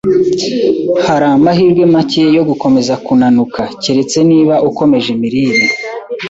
Hari amahirwe make yo gukomeza kunanuka, keretse niba ukomeje imirire.